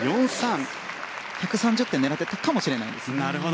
１３０点を狙っていたかもしれないですね。